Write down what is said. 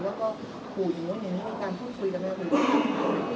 ท่านรองค่ะเรื่องที่เกิดขึ้น